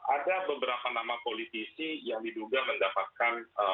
ada beberapa nama politisi yang diduga mendapatkan